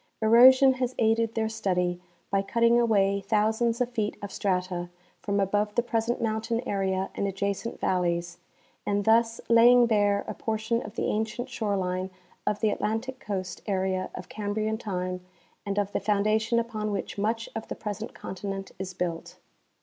Erosion has aided their study by cutting away thousands of feet of strata from above the present mountain area and adja cent valleys, and thus laying bare a portion of the ancient shore line of the Atlantic coast area of Cambrian time and of the foundation upon which much of the present continent is built.